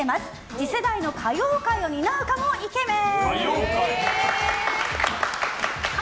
次世代の歌謡界を担うかもイケメン。